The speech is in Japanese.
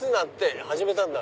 始めたんだ。